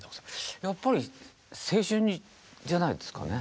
やっぱり青春じゃないですかね。